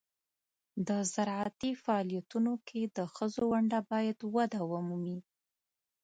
د زراعتي فعالیتونو کې د ښځو ونډه باید وده ومومي.